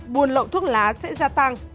buồn lậu thuốc lá sẽ gia tăng